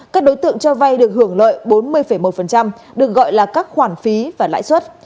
các đối tượng cho vay được hưởng lợi bốn mươi một được gọi là các khoản phí và lãi suất